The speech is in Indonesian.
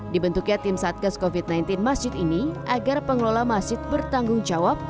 dibentuknya tim satgas covid sembilan belas masjid ini agar pengelola masjid bertanggung jawab